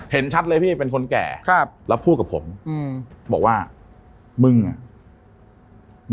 เห็นชัดเลยพี่เป็นคนแก่ครับแล้วพูดกับผมอืมบอกว่ามึงอ่ะ